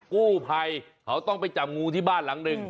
กู้ภัยเขาต้องไปจับงูที่บ้านหลังหนึ่ง